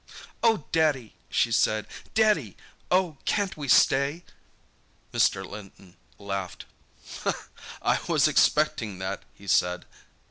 "Oh, Daddy!" she said. "Daddy! Oh, can't we stay?" Mr. Linton laughed. "I was expecting that," he said.